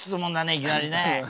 いきなりね。